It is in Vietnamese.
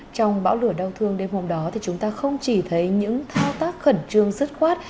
trong bão lửa đau thương đêm hôm đó thì chúng ta không chỉ thấy những thao tác khẩn trương dứt khoát